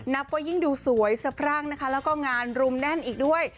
นับว่ายิ่งดูสวยสะพรั่งนะคะแล้วก็งานรุมแน่นอีกด้วย